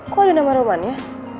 kok ada nama romannya